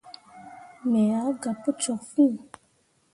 Me ah gah pu cok fîi.